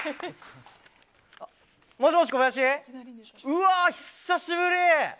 うわ、久しぶり！